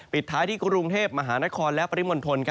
ปิดท้ายที่กรุงเทพมหานครและปริมณฑล